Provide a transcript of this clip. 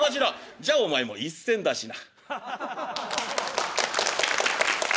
「じゃお前も１銭出しな」。